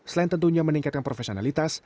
selain tentunya meningkatkan profesionalitas